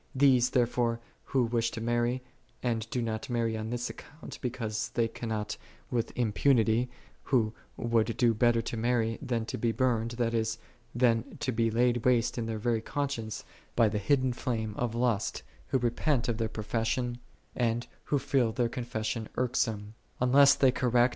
These, there 1 John xiii. 1 17. la. 13. [See R. V.] ' Ecclus. iii. 18. fore, who wish to marry, and do not marry on this account, because they cannot with impunity, who would do better to marry than to be burned, that is, than to be laid waste in their very conscience by the hidden flame of lust, who repent of their profession, and who feel their confession irksome; unless they cor rect